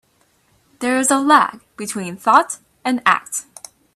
There is a lag between thought and act.